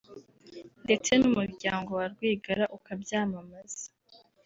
ndetse n’umuryango wa Rwigara ukabyamamaza